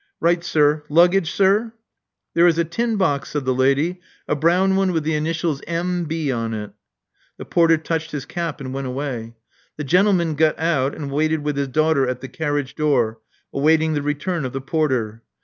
Right, sir. Luggage, sir?" There is a tin box," said the lady, a brown one with the initials M. B. on it." The porter touched his cap and went away. The gentleman got out, and waited with his daughter at the carriage door, awaiting the return of the porter.